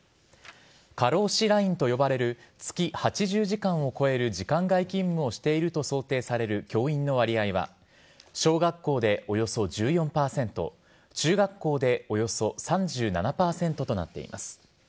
過労死ラインと呼ばれる月８０時間を超える時間外勤務をしていると想定される教員の割合は小学校でおよそ１４％中学校でおよそ３７％となっています。